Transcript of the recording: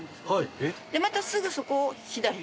またすぐそこを左。